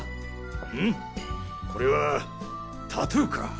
これはタトゥーか？